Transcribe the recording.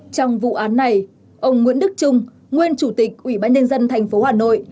trong vụ án này ông nguyễn đức trung nguyên chủ tịch ủy ban nhân dân tp hà nội